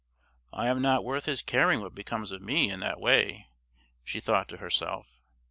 "I am not worth his caring what becomes of me in that way," she thought to herself.